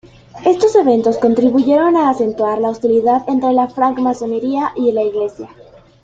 Estos eventos contribuyeron a acentuar la hostilidad entre la francmasonería y la iglesia.